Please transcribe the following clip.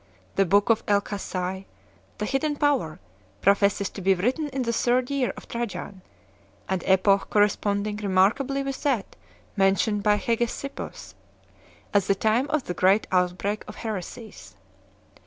The book of Elchasai, the "hidden power," professes to be written in the third year of Trajan, an epoch correspond ing remarkably with that mentioned by Hegesippus as the time of the great outbreak of heresies.